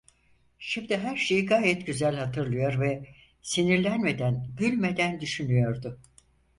Şimdi her şeyi gayet güzel hatırlıyor ve sinirlenmeden, gülmeden düşünüyordu.